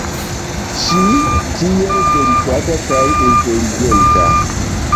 Ŝi, tiel delikata kaj inteligenta.